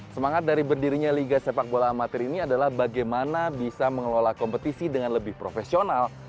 semangat dari berdirinya liga sepak bola amatir ini adalah bagaimana bisa mengelola kompetisi dengan lebih profesional